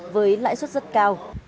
với lãi suất rất cao